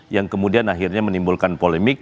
yang kemudian akhirnya menimbulkan polemik